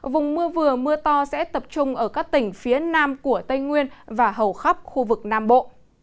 vùng mưa vừa mưa to sẽ tập trung ở các tỉnh phía nam của tây nguyên và hầu khắp khu vực nam bộ